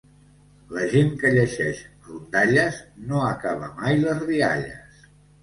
La gent que llegeix rondalles no acaba mai les rialles.